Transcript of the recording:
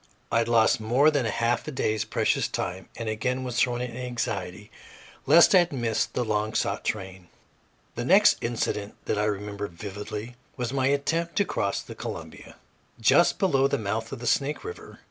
I lost more than a half day's precious time, and again was thrown into anxiety lest I had missed the long sought train. The next incident that I remember vividly was my attempt to cross the Columbia, just below the mouth of the Snake River.